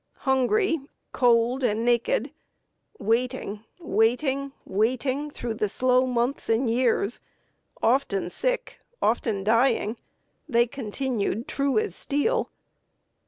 Hungry, cold, and naked waiting, waiting, waiting, through the slow months and years often sick, often dying, they continued true as steel.